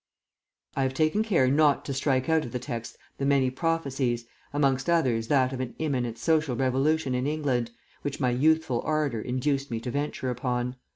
I have taken care not to strike out of the text the many prophecies, amongst others that of an imminent social revolution in England, which my youthful ardour induced me to venture upon.